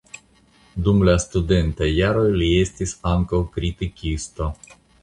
Dum la studentaj jaroj li estis ankaŭ kritikisto.